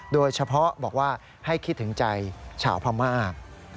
โดยเฉพาะบอกว่าให้คิดถึงใจชาวพม่า